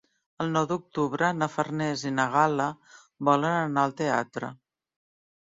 El nou d'octubre na Farners i na Gal·la volen anar al teatre.